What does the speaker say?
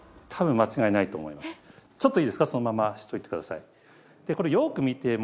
ちょっといいですかそのまましといてください。